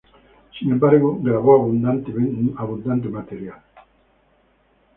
Sin embargo, grabó abundante material.